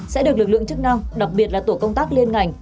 sẽ được lực lượng chức năng đặc biệt là tổ công tác liên ngành